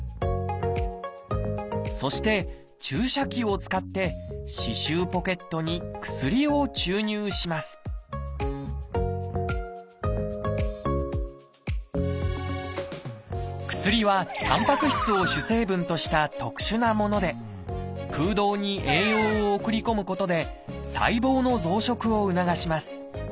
そして注射器を使って歯周ポケットに薬を注入します薬はタンパク質を主成分とした特殊なもので空洞に栄養を送り込むことで細胞の増殖を促します。